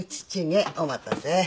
お待たせ。